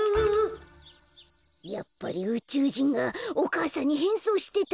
やっぱりうちゅうじんがお母さんにへんそうしてたんだ。